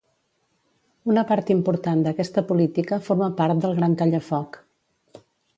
Una part important d'aquesta política forma part del Gran Tallafoc.